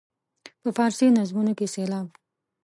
په فارسي نظمونو کې سېلاب.